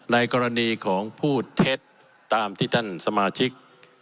ในกรณีของพูดเท็จตามที่ท่านสมาชิก